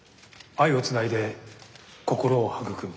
愛をつないで心を育む。